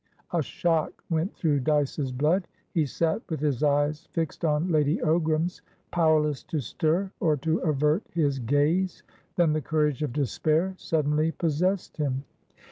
A shock went through Dyce's blood. He sat with his eyes fixed on Lady Ogram's, powerless to stir or to avert his gaze. Then the courage of despair suddenly possessed him.